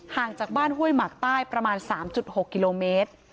ห่างจากบ้านห้วยหมากใต้ประมาณ๓๖กิโลเมตร